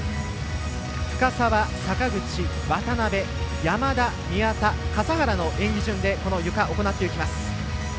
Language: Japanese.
深沢、坂口、渡部、山田宮田、笠原の演技順でゆか、行っていきます。